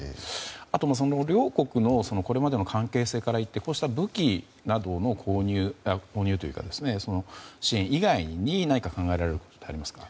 あとは両国のこれまでの関係性からいってこうした武器などの購入というか支援以外に何か考えられることはありますか？